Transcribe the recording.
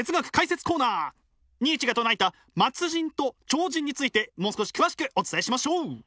ニーチェが唱えた末人と超人についてもう少し詳しくお伝えしましょう。